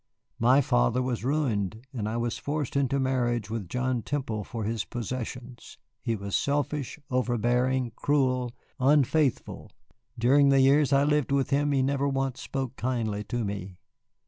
My father was ruined, and I was forced into marriage with John Temple for his possessions. He was selfish, overbearing, cruel unfaithful. During the years I lived with him he never once spoke kindly to me.